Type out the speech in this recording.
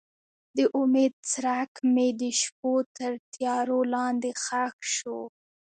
د امید څرک مې د شپو تر تیارو لاندې ښخ شو.